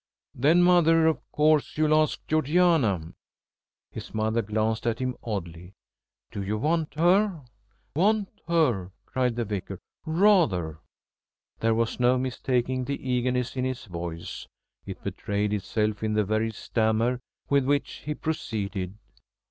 "Then, mother, of course, you'll ask Georgiana?" His mother glanced at him oddly. "Do you want her?" "Want her?" cried the Vicar. "Rather!" There was no mistaking the eagerness in his voice. It betrayed itself in the very stammer with which he proceeded.